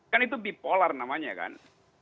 kan itu bipolar namanya kan